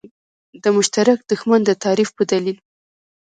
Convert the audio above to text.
د مشترک دښمن د تعریف په دلیل.